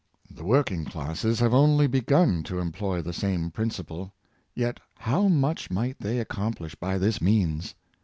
The working classes have only begun to employ the same principle. Yet how much might they ac complish by this means!